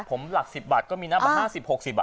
ผมหลัก๑๐บาทก็มีน้ำปรับ๕๐๖๐บาท